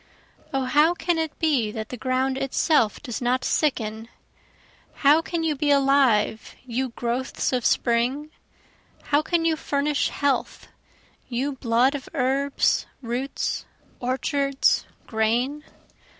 O how can it be that the ground itself does not sicken? How can you be alive you growths of spring? How can you furnish health you blood of herbs, roots, orchards, grain?